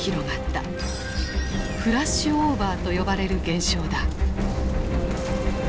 フラッシュオーバーと呼ばれる現象だ。